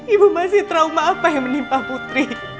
ibu masih trauma apa yang menimpa putri